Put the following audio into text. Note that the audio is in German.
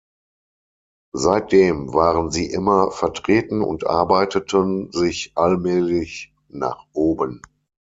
Seitdem waren sie immer vertreten und arbeiteten sich allmählich nach oben.